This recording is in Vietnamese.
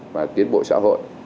và tiến bộ xã hội